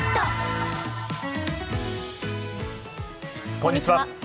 こんにちは。